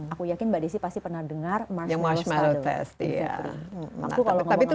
aku yakin mbak desi pasti pernah dengar marshmallow starter